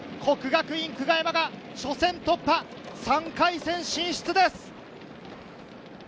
國學院久我山が予選突破、３回戦進出です！